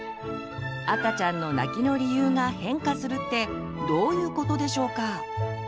赤ちゃんの泣きの理由が変化するってどういうことでしょうか？